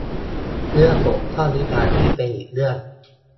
เรื่องบกพร่องวิชาชีพเป็นอีกเรื่อง